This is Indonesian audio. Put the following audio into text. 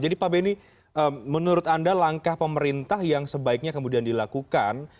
jadi pak benny menurut anda langkah pemerintah yang sebaiknya kemudian dilakukan